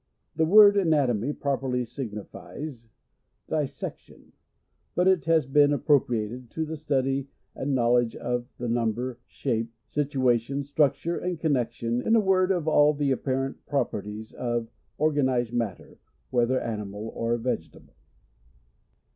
The word anatomy properly > signifies* dissection ; but it has been appropriated to the study and know 1 ledge of the number, shape, situa < tion, structure, and connexion, in a word, of all the apparent proper ties of organised matter, whether animal or vegetable.